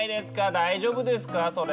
大丈夫ですかそれ？